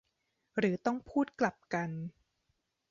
หรือต้องพูดกลับกัน ?